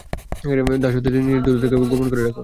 দাস হতে চাইলে, নিজের ধূর্ততাকে গোপন রাখো।